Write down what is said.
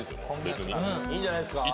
別に・いいんじゃないですか？